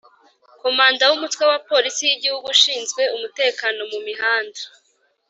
Komanda w’Umutwe wa Polisi y’Igihugu ushinzwe umutekano mu mihanda